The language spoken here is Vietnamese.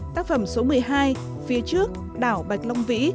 tác phẩm số một mươi hai phía trước đảo bạch long vĩ